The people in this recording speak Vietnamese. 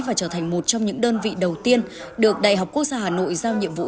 và trở thành một trong những đơn vị đầu tiên được đại học quốc gia hà nội giao nhiệm vụ